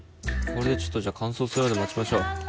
これでちょっとじゃあ乾燥するまで待ちましょう。